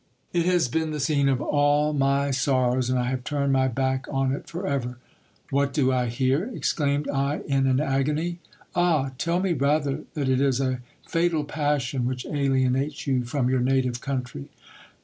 It has been the scene of all my sorrows, and I have turned my back on it for ever. What do I hear ? exclaimed I in an agony : ah ! tell me rather, that it is a fatal passion which alienates you from your native country.